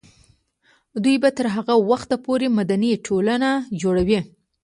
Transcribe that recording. دوی به تر هغه وخته پورې مدني ټولنه جوړوي.